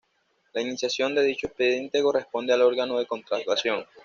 La iniciación de dicho expediente corresponde al órgano de contratación.